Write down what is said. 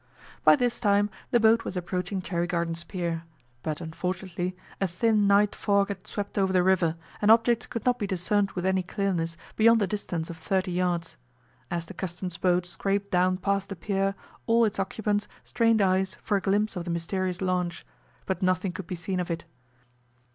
By this time the boat was approaching Cherry Gardens Pier, but unfortunately a thin night fog had swept over the river, and objects could not be discerned with any clearness beyond a distance of thirty yards. As the Customs boat scraped down past the pier all its occupants strained eyes for a glimpse of the mysterious launch, but nothing could be seen of it.